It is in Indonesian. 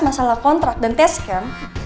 masalah kontrak dan tes kan